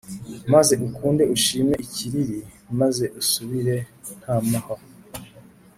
Maze ukunde ushime ikiriri maze usubire ntamahwa